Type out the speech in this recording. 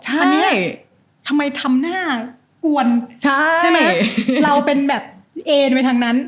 อันนี้ทำไมทำหน้ากวนเราเป็นแบบเองไว้ทางนั้น